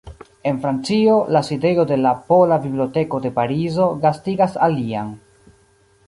En Francio, la sidejo de la Pola Biblioteko de Parizo gastigas alian.